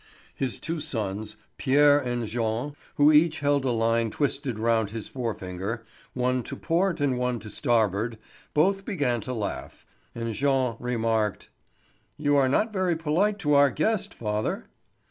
His two sons, Pierre and Jean, who each held a line twisted round his forefinger, one to port and one to starboard, both began to laugh, and Jean remarked: "You are not very polite to our guest, father."